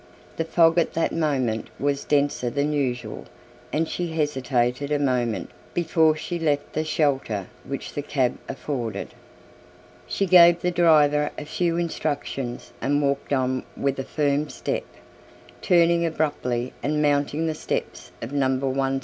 The fog at that moment was denser than usual and she hesitated a moment before she left the shelter which the cab afforded. She gave the driver a few instructions and walked on with a firm step, turning abruptly and mounting the steps of Number 173.